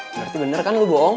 berarti bener kan lu bohong